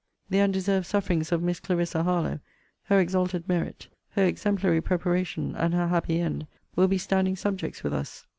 The undeserved sufferings of Miss Clarissa Harlowe, her exalted merit, her exemplary preparation, and her happy end, will be standing subjects with us.